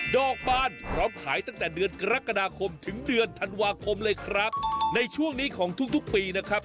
ดอกบานพร้อมขายตั้งแต่เดือนกรกฎาคมถึงเดือนธันวาคมเลยครับในช่วงนี้ของทุกปีนะครับ